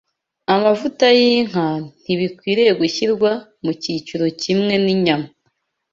amavuta y’inka ntibikwiriye gushyirwa mu cyiciro kimwe n’inyama